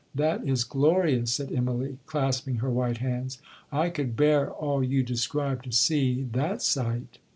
—that is glorious!' said Immalee, clasping her white hands; 'I could bear all you describe to see that sight!'